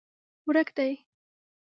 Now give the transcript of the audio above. ورک دي